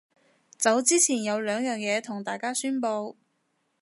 走之前有兩樣嘢同大家宣佈